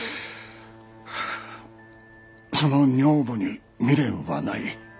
その女房に未練はない。